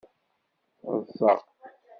Ḍḍseɣ.